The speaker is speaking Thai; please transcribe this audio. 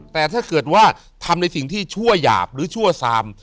แต่ถ้าเกิดว่าทำในสิ่งที่ชั่วหยาบหรือชั่วซาม